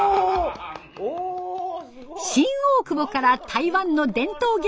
新大久保から台湾の伝統芸能を発信。